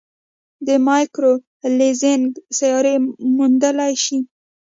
د مایکرو لینزینګ سیارې موندلای شي.